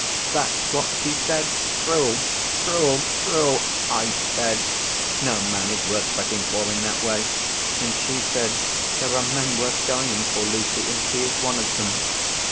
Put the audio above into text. That's what she said. Cruel, cruel, cruel. I said, 'No man is worth fretting for in that way.' And she said, 'There are men worth dying for, Lucy, and he is one of them.